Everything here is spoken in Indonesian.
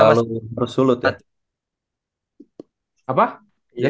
memang selalu harus sulut ya